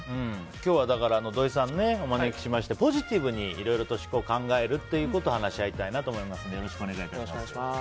今日は、土井さんお招きしましてポジティブにいろいろと考えるということを話し合いたいなと思います。